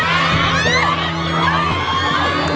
หนึ่งสองสิบกลับมา